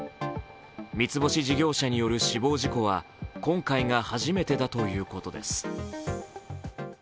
三つ星事業者による死亡事故は今回が初めてだということです。